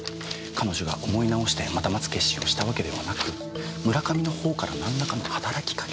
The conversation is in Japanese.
彼女が思い直してまた待つ決心をしたわけではなく村上のほうからなんらかの働きかけがあった。